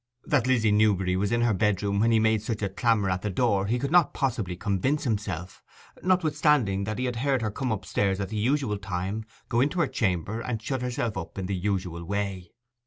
That Lizzy Newberry was in her bedroom when he made such a clamour at the door he could not possibly convince himself; notwithstanding that he had heard her come upstairs at the usual time, go into her chamber, and shut herself up in the usual way.